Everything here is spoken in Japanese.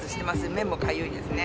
目もかゆいですね。